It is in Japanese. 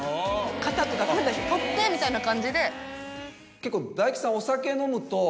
肩とか組んで「撮って」みたいな感じで。